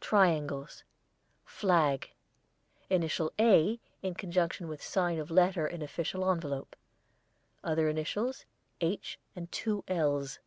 Triangles. Flag. Initial 'A' in conjunction with sign of letter in official envelope. Other initials, 'H' and two 'L's.'